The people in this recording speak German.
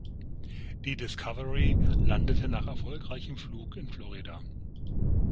Die Discovery landete nach erfolgreichem Flug in Florida.